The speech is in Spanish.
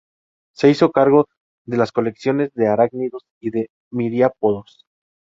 Se hizo cargo de las colecciones de arácnidos y de miriápodos.